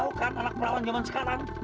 lo tau kan anak perawan jaman sekarang